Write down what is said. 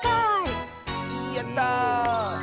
やった！